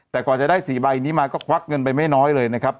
แต่กว่าจะได้๔ใบนี้มาก็ควักเงินไปไม่น้อยเลยนะครับ